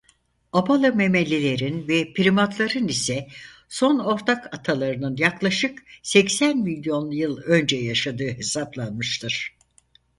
Abalı memelilerin ve primatların ise son ortak atalarının yaklaşık seksen milyon yıl önce yaşadığı hesaplanmıştır.